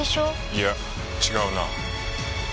いや違うな。